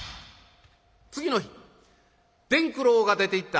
次の日伝九郎が出ていった